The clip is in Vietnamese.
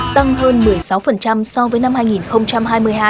tăng hơn một mươi sáu so với năm hai nghìn hai mươi hai